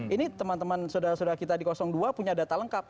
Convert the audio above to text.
ini teman teman saudara saudara kita di dua punya data lengkap